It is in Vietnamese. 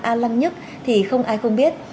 a lăng nhất thì không ai không biết